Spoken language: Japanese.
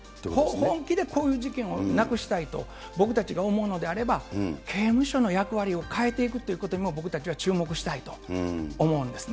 本気でこういう事件をなくしたいと、僕たちが思うのであれば、刑務所の役割を変えていくということにも、僕たちは注目したいと思うんですね。